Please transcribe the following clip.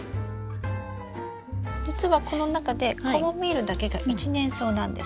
実はこの中でカモミールだけが一年草なんです。